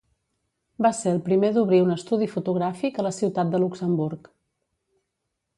Va ser el primer d'obrir un estudi fotogràfic a la ciutat de Luxemburg.